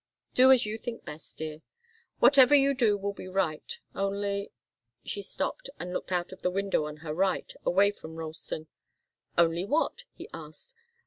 "Do as you think best, dear. Whatever you do will be right. Only " She stopped, and looked out of the window on her right, away from Ralston. "Only what?" he asked.